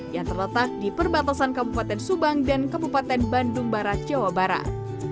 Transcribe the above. yang terletak di perbatasan kabupaten subang dan kabupaten bandung barat jawa barat